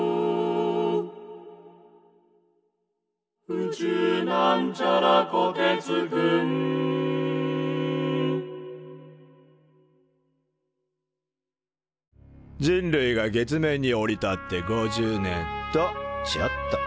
「宇宙」人類が月面に降り立って５０年。とちょっと！